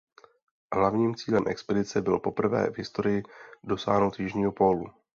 Hlavním cílem expedice bylo poprvé v historii dosáhnout jižního pólu.